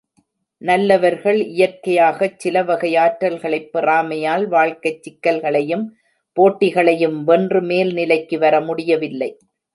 நல்லவர்கள் இயற்கையாகச் சிலவகை ஆற்றல்களைப் பெறாமையால், வாழ்க்கைச் சிக்கல்களையும் போட்டிகளையும் வென்று மேல்நிலைக்கு வரமுடியவில்லை.